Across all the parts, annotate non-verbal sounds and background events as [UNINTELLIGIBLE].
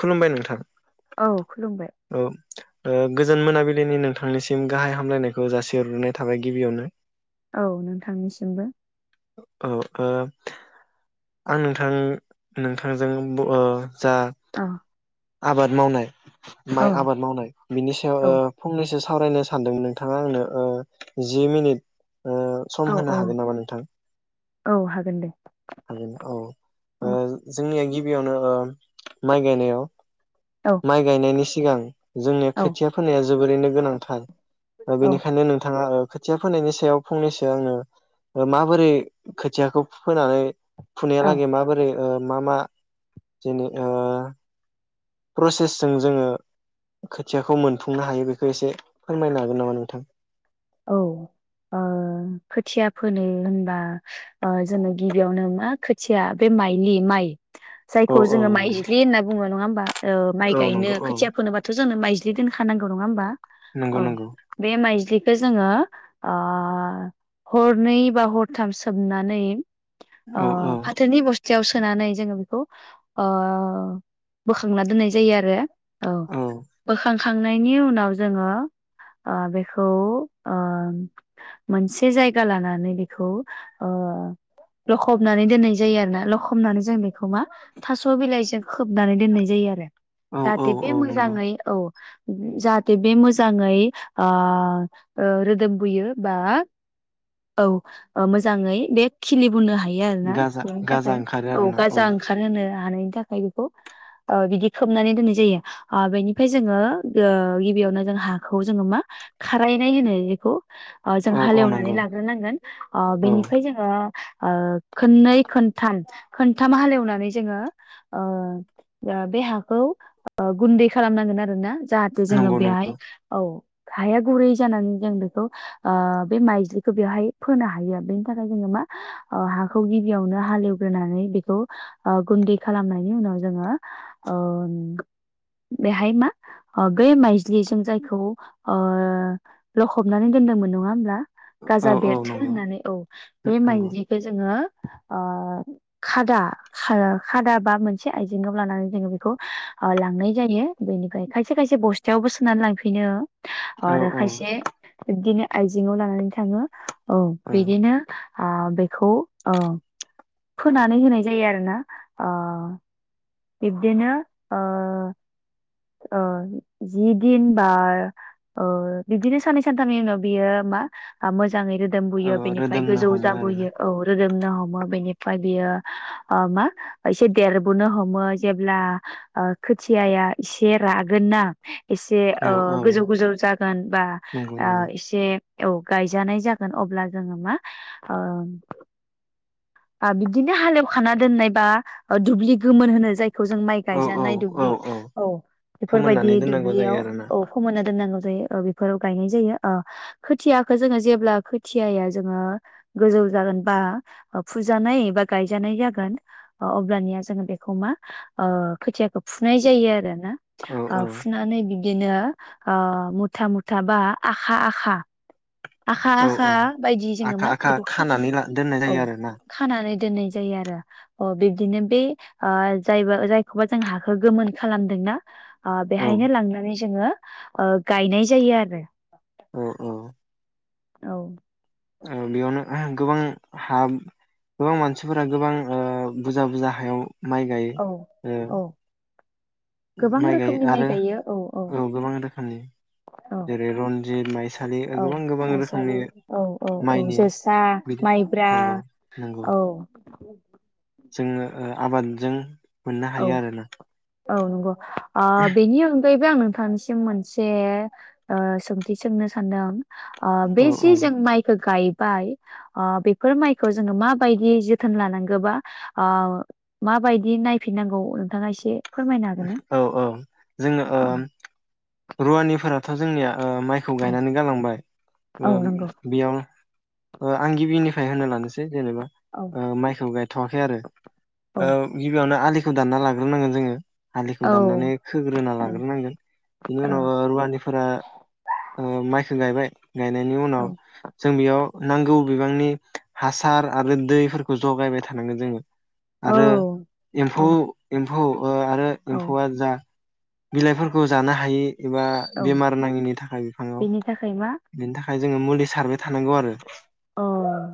खुलुमबाय नोंथां औ खुलुमबाय औ ओ गोजोन मोनाबिलिनि नोंथांनिसिम गाहाय हामलायनायखौ जासिहरग्रोनाय थाबाय गिबियावनो औ नोंथांनिसिमबो औ ओ आं नोंथां नोंथांजों ब ओ जा औ आबाद मावनाय औ माइ आबाद मावनाय बिनि सायाव औ ओ फंनैसो सावरायनो सानदों नोंथाङा आंनो ओ जि मिनिट ओ सम औ होनो औ हागोन नामा नोंथां औ हागोन दे। हागोन औ ओ औ जोंनिया गिबि गिबियावनो माइ गायनायाव औ माइ गायनायनि सि सिगां जोंनिया औ खोथिया फोननाया जोबोरैनो गोनांथार औ बेनिखायनो नोंथाङाबो खोथिया फोनायनि सायाव फंनैसो आङो माबोरै खोथियाखौ फोनानै औ फुनायहालागै माबोरै ओ मा मा जेनै ओ प्रसेसजों जोङो खोथियाखौ मोनफुंनो हायो बेखौ एसे फोरमायनो हागोन नामा नोंथां? औ खोथिया ओ फोनो होनबा ओ जोङो गिबियावनो मा खोथिया बे माइलि माइ औ जायखौ औ जोङो माइज्लि होनना बुङो नङा होमबा ओ माइ औ गायनो नंगौ औ खोथिया फोनोबाथ' जोंङो माइ बिदि दोनखानांगौ नङा होमबा? नंगौ औ नंगौ बे माइज्लि बे जोङो ओ हरनै बा हरथाम सोमनानै अ औ औ फाथोनि बस खाथियाव सोनानै जोङो बेखौ ओ बोखांना दोननाय जायो आरो। औ बोखां खांनायनि उनाव जोङो ओ बेखौ ओ मोनसे जायगा लानानै बेखौ ओ लखबनानै दोननाय जायो आरो ना लखबनानै जों बेखौ मा थास' बिलाइजों खोबनानै दोननाय जायो औ औ जाहाथे बे औ नंगौ मोजाङै औ जाहाथे बे मोजाङै आ ओ रोदोम बोयो बा औ ओ मोजाङै बे खिलि हरनो हायो आरोना गाजा बेनि गाजा थाखाय ओंखारो औ आरोना गाजा ओंखार होनो। नानायनि थाखाय बिखौ ओ बिदि खोबनानै दोन्नाय जायो आ बेनिफाय जोङो ओ गिबियावनो जोङो हाखौ मा जोङो खार नाय होनो एखौ अ जों औ औ हालेवनानै नंगौ लाग्रोनांगोन अ औ बेनिफाय जोङो ओ खोननै खोनथाम खोनथाम हालेवनानै जोङो ओ ओ बे हाखौ ओ गुन्दै खालामनांगोन आरोना। जाहाथे जोङो नंगौ बेहाय नंगौ औ। हाया गुरै जानानै जों बेखौ ओ बे माइज्लिखौ बेवहाय फोनो हायो। बेनि थाखाय जोङो मा ओ हाखौ गिबियावनो हालेवग्रोनानै बेखौ ओ गुन्दै खालामनायनि उनाव जोङो ओ बेहाय मा बे माइज्लिजों जायखौ ओ लखबनानै दोन्दोंमोन नङा होमब्ला? औ गाजा औ बेरथो नंगौ होननानै औ बे नंगौ माइदिखो जोङो अ खादा खा खादा बा मोनसे आइजें आव लानानै जोङो ओ बेखौ लांनाय जायो बेनिफ्राय खायसे खायसे बस्थायावबो सोनानै लांफिनो औ आरो औ। खायसे बिब्दिनो आइजें आव लानानै थाङो। औ बिदिनो आ बेखौ ओ फोनानै होनाय जायो आरोना ओ बिब्दिनो ओ ओ जि दिन बा ओ बिब्दिनो साननै सानथामनि उनाव बियो मा मोज जाङै रोदोम औ बुयो बेनिफ्राय रोदोमनो गोजौ हमो आरोना जाबोयो औ रोदोमनो हमो बेनिफ्राय बियो ओ मा एसे देरबोनो हम मो जेब्ला ओ खोथियाया एसे रागोन ना एसे ओ औ औ गोजौ गोजौ जागोन बा नंगौ नंगौ आ एसे औ गायजानाय जागोन अब्ला जोङो मा ओ आ बिदिनो हालेवखाना दोननाय बा ओ दुब्लि गोमोन होनो जाय खौ जों माइ औ औ गायजानाय औ दुब्लि औ बेफोरबायदि फोमोननानै दोननांगौ जायो दुब्लियाव आरोना औ फोमोनना दोननांगौ जायो ओ बेफोराव गायनाय जायो अ खोथियाखो जोङो जेब्ला खोथिआया जोङो गोजौ जागोन बा फुजानाय बा गायजानाय जागोन अ अब्लानिया जोङो बे खौ मा ओ खोथियाखौ फुनाय जायो आरो ना औ आ औ फुनानै बि दिनो ओ मुथा मुथा बा आखा आखा आखा औ आखा औ बायदि जोङो आखा मा आखा बेखौ खा खानानै ला दोननाय औ जायो आरोना खानानै दोननाय जायो आरो अ बिब्दिनो बे ओ जाय जायखौबा जों हाखौ गोमोन खालामदोंना आ औ बेहायनो लांनानै जोङो ओ गायनाय जायो आरो। औ औ औ ओ बेयावनो गोबां हा गोबां मानसिफोरा गोबां ओ बुजा बुजा हायाव माइ गायो औ ओ औ माइ गाय आरो औ गोबां रोखोमनि औ जेरै रनजित माइसालि औ ओगोबां गोबां माइसालि रोखोमनि औ औ औ माइनि जोसा बिदि माइब्रा नोंगौ नोंगौ। औ जोङो ओ आबादजों मोननो औ हायो आरो ना। औ नंगौ। आ बेनि अन गैबो आं नोंथांनिसिम मोनसे ओ सोंथि सोंनो सानदों। ओ बे औ औ जि जों माइखो गाय बाय अ बेफोर माइखौ जोङो माबायदियै जोथोन लानांगोबा ओ माबायदि नाय फिननांगौ नोंथाङा एसे फोरमायनो हागोन ना? औ औ जोङो औ ओम रुवानिफोराथ' जोंनिया ओ माइखौ औ गायनानै गालांबाय औ ओ नंगौ बेयाव ओ आंगि बि निफ्राय होनो लानोसै जेनेबा औ ओ माइखौ गाय थ'वाखै आरो औ गिबियावनो आलि खौ दानना लाग्रोनांगोन जोङो आलिखौ औ दाननानै खोग्रोना औ लाग्रोनांगोन बिनि उनाव ओ रुवानिफोरा ओ माइ खो गायबाय गायनायनि औ उनाव जों बेयाव नांगौ बिबांनि हासार आरो दैफोरखौ जगायबाय थानांगोन जोङो औ आरो एम्फौ एम फौ ओ आरो औ एम्फौआ जा बिलाइफोरखौ जानो हायि एबा औ बेमार नाङिनि थाखाय बिफाङाव बेनि थाखाय मा बेनि थाखाय खाय जोङो मुलि सारो थानांगौ आरो औ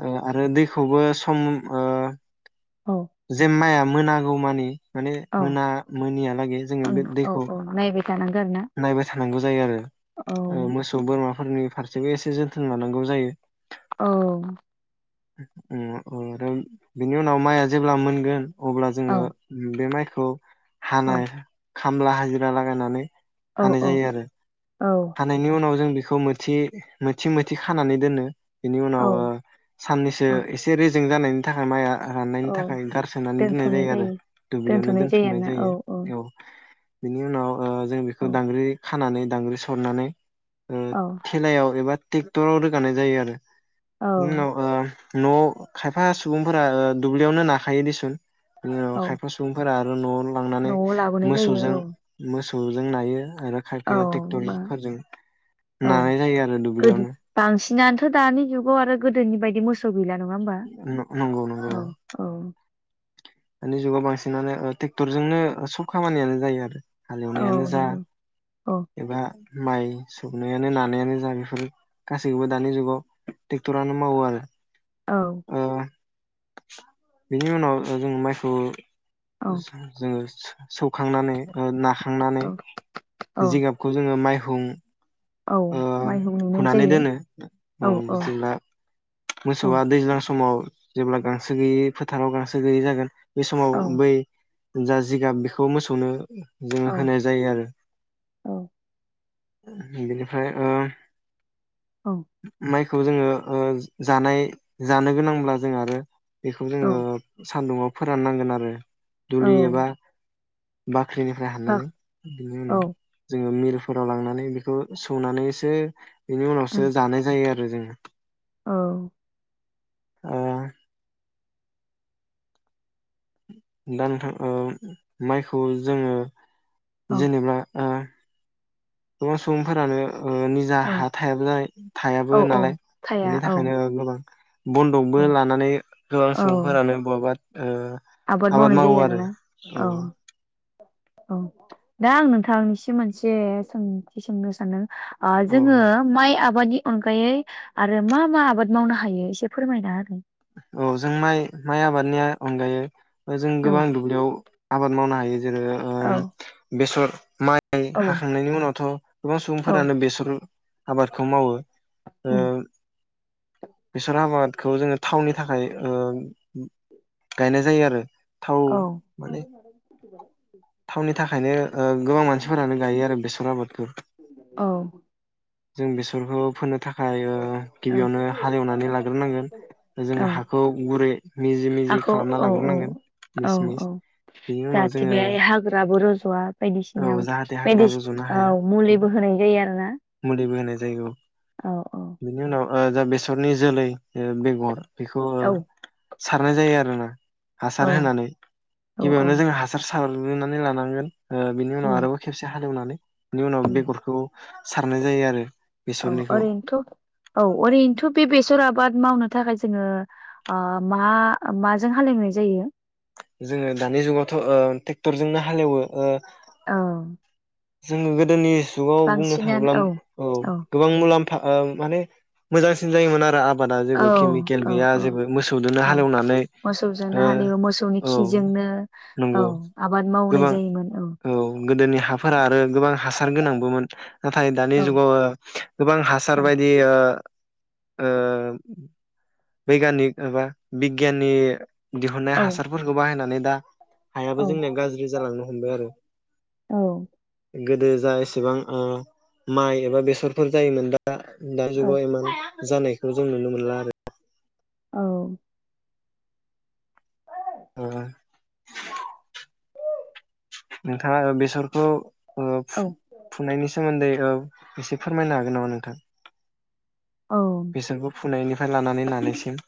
ओ आरो दै खौबो सम ओ औ जे माया मोनागौ मानि माने औ मोना मोनियालागै जोङो बे दै अ नाय जानांगो आरो ना नांगौ जायो आरो औ मोसौ बोरमा फोरनि फारसेबो एसे जोथोन लानांगौ जायो औ [UNINTELLIGIBLE] बिनि उनाव माइआ जेब्ला मोनगोन अब्ला औ जोङो बे माइ खौ औ हानाय खामला हाजिरा लागायनानै औ हानाय औ जायो आरो औ हानायनि उनाव जों बेखौ मोनसे मोनसे मोथि खानानै दोनो बिनि उनाव औ साननैसो औ एसे जों जानायनि थाखाय माइया राननायनि औ थाखाय गारसोनानै दोननाय जायो आरो दुब्लियावनो दोनथ'नाय जायो दोनथुमनाय आरोना औ जायो औ बिनि उनाव जों बेखौ औ दांग्रि खा खानानै दांग्रि सा सरनानै ओ औ खेलायाव एबा ट्रेक्टराव रोगानाय जायो आरो औ इनि उनाव ओ न' खायफा सुबुंफोर ओ दुब्लियावनो नाखायो दिसुन औ खायफा सुबुंफोरा आरो न'आव लांनानै न'आव लाबोनाय जायो मोसौजों औ मोसौ जों नायो आरो औ खायफाया ट्रेक्टर बा फोरजों नानाय जायो आरो दुब्लियावनो दिनानथ' दानि जुगाव आरो गोदोनि बायदि मोसौ गैला नङा होमबा नंगौ नंगौ औ औ दानि जुगाव बांसिनानो ओ ट्रेक्टरजोंनो सब खामानियानो जायो आरो औ हालेवनायानो जा नंगौ औ एबा माइ सोबनायानो नानायानो जा बेफोर गासैखौबो दानि जुगाव ट्रेक्टरानो मावो आरो औ बेनि उनाव जों माइखौ औ जोङो सौखांनानै ओ नाखांनानै औ औ जिगाबखौ जोङो माइ हुं औ ओ माइहुं लुनाय हुनानै जायो दोनो ओ औ औ बुजिब्ला औ मोसौआ दैज्लां समाव जेब्ला गांसो गैयै फोथाराव गांसो गैयै जागोन बे औ समाव बै जा जिगाब बेखौ मोसौनो जोङो औ होनाय जायो आरो औ बेनिफ्राय ओ औ। खौ जोङो ओ जानाय जानो गोनांब्ला जों आरो बेखौ जोङो सान्दुङाव फोरान नांगोन आरो। दुलि एबा बा जेनेबा हाननानै बिनि उनाव जोङो मिल फोराव लांनानै बेखौ सौनानैसो बेनि उनावसो जानाय जायो आरो। आरो जोङो औ। ओ दा नोंथां ओ माइखौ जोङो औ जेनेबा ओ। गोबां सुबुंफोरा [UNINTELLIGIBLE] नो ओ निजा औ हा थायाबो जानाय औ थायाबो औ नालाय साया बेनि औ थाखायनो ओ गोबां औ बन्दकबो लानानै गोबां औ सुबुंफोरानो बह आबाद मावनाय जायो आरोना औ अ औ दा आं नोंथांनिसिम मोनसे सोंथि सोंनो सानदों? ओ औ जोङो माइ आबादनि अनगायै आरो मा मा आबाद मावनो हायो एसे फोरमायना हो औ जों माइ माइ आबादनिया अनगायै जों गोबां दुब्लियाव आबाद मावनो हायो‌। जेरो ओ औ बेसर माइ औ हाखांनायनि उनावथ' गोबां औ सुबुंफोरानो बेसर आबादखौ मावो। उम बेसर आबादखौ जोङ थावनि थाखाय ओ गायनाय जायो आरो। औ। [UNINTELLIGIBLE] थावउननि थाखायनो ओ गोबां मानसिफोरानो गायो आरो बेसर आबादखौ। औ जों बेसरखौ फोनो थाख खाय ओ औ गिबियावनो हालेवनानै लाग्रोनांगोन जोङो औ हाखौ गुरै मिजि मिजि हाखौ खालामना औ औ लाग्रोनांगोन औ मिस मिस बेनि उनाव जोङो बाय औ जाहाथे [UNINTELLIGIBLE] हाग्रा रज'नो हाया आरो ना मुलिबो होनाय जायो औ। औ औ बिनि उनाव ओ जा बेसरनि जोलै ओ बेगर बेखौ औ सारनाय जायो आरो ना। हासार होनानै औ औ गिबियावनो जों हासार सार साग्रोरनानै लानांगोन। ओ बिनि उम उनाव आरोबाव खेबसे हालेवनानै बिनि उनाव उम बेगरखौ सारनाय जायो आरो। औ बेसरनिखौ ओरैनोथ' औ ओरैनोथ' बे बेसर आबाद मावनो थाखाय जोङो मा माजों हालेवनाय जायो? जोङो दानि जुगावथ' ओ ट्रेक्टरजोंनो हालेवो ओ औ जोङो गोदोनि जुगाव बुंनो बांसिनानो थाङोब्ला औ गोबां मुलाम्फा ओउ माने मोजांसिन जायोमोन आरो आ आबादा जेबो केमिकल औ औ गैया औ जेबो मोसौदोनो औ हालेवनानै मोसौजोंनो ओ हालेवो मोसौनि औ खिजोंनो औ नंगौ आबाद मावनाय गोबां जायोमोन औ गोदोनि हा आरो गोबां हार गोनांबोमोन नाथाय दानि औ जुगाव गोबां हासार औ बायदि ओ ओ बैगानिक माबा बिगियाननि दिहुनन्नाय औ हासारफोरखौ बाहायनानै दा हायाबो औ जोंनिया गाज्रि जालांनो हमबाय आरो। औ गोदो जा एसेबां ओ माइ एबा बेसरफोर जायोमोन दा दा दा जुगाव एमान जानायखौ जों नुनो मोनला आरो। औ अ नोंथाङा बेसरखौ ओ औ फुनायनि सोमोन्दै औ एसे फोरमायनो हागोन नामा नोंथां? औ बेसरखौ फुनायनिफ्राय लानानै नानायसिम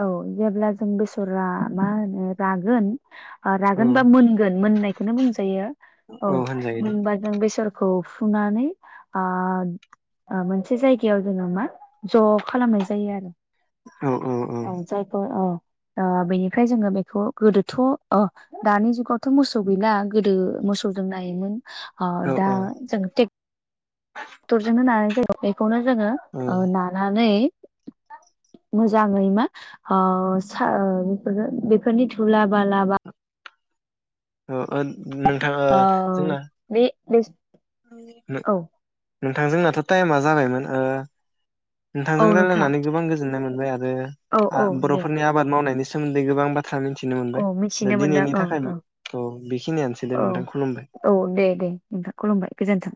औ जेब्ला जों बेसरा मा होनो रागोन औ रागोनबा मोनगोन मोननायखौनो बुंजायो औ होनजायो दे मोनबा जों बेसरखौ फुनानै ओ ओ मोनसे जायगायाव जोङो मा ज' खालामनाय जायो आरो औ जायखौ अ ओ बेनिफ्राय जोङो बेखौ गोदोथ' ओ दानि जुगावथ' मोसौ गैला गोदो मोसौजों नायोमोन आ औ दा औ जों टेक दुर जोंनो नानाय जायो [UNINTELLIGIBLE] खौनो जोङो औ ओ नानानै मोजाङै मा ओ सा बेफोरखो बेफोरनि धुला बालाबा अ ओ नोंथां ओ जोंना बे बे औ [INAUDIBLE] नोंथां जोंनाथ' टाइमा जाबायमोन ओ औ नोंथांजों नोंथां रायजलायनानै गोबां गोजोननाय मोनबाय आरो औ आ औ दे बर'फोरनि आबाद मावनायनि सोमोन्दै गोबां बा औ मिथिनो मोनदों औ औ बेखिनियानोसै दे औ नोंथां खुलुमबाय औ औ दे दे नोंथा खुलुमबाय गोजोन्थों